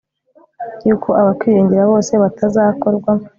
y'uko abakwiringira bose, batazakorwa